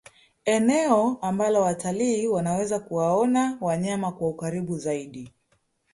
eneo ambalo watalii wanaweza kuwaona wanyama kwa ukaribu zaidi